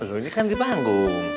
ini kan di panggung